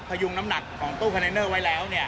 ยุงน้ำหนักของตู้คอนเทนเนอร์ไว้แล้ว